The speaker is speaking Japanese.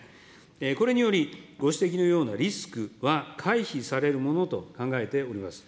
これにより、ご指摘のようなリスクは回避されるものと考えております。